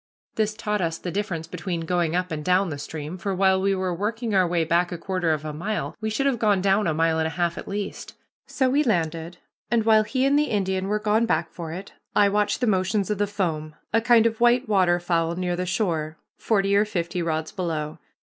This taught us the difference between going up and down the stream, for while we were working our way back a quarter of a mile, we should have gone down a mile and half at least. So we landed, and while he and the Indian were gone back for it, I watched the motions of the foam, a kind of white waterfowl near the shore, forty or fifty rods below.